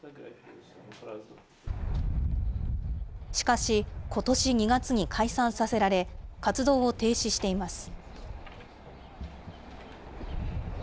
しかし、ことし２月に解散させられ、活動を停止しています。